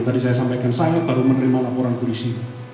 tadi saya sampaikan saya baru menerima laporan polisi